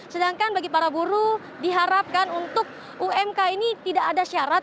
sedangkan bagi para buruh diharapkan untuk umk ini tidak ada syarat